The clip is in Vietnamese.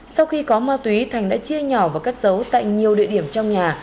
sau khi có ma túy thành đã chia nhỏ và cất giấu tại nhiều địa điểm trong nhà